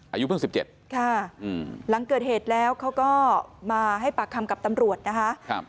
อายุเพิ่ง๑๗ค่ะหลังเกิดเหตุแล้วเขาก็มาให้ปากคำกับตำรวจนะคะ